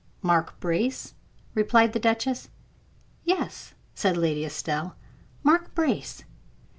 "Mark Brace?" replied the duchess. "Yes," said Lady Estelle; "Mark Brace.